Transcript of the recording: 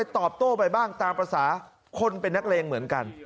ตอบโต้ไปบ้างตามภาษาคนเป็นนักเลงเหมือนกัน